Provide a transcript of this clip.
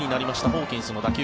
ホーキンスの打球。